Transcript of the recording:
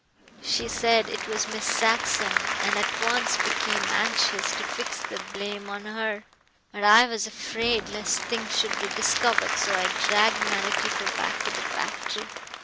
She said it was Miss Saxon, and at once became anxious to fix the blame on her. But I was afraid lest things should be discovered, so I dragged Maraquito back to the factory.